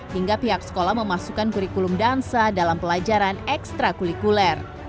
hingga pihak sekolah memasukkan kurikulum dansa dalam pelajaran ekstra kulikuler